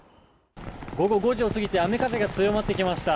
午後５時を過ぎて雨風が強まってきました。